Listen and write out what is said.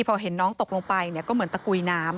พอเห็นน้องตกลงไปก็เหมือนตะกุยน้ำ